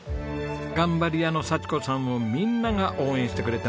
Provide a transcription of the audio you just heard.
頑張り屋の幸子さんをみんなが応援してくれています。